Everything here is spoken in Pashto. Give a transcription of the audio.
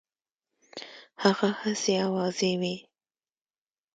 هغه هسي آوازې وي.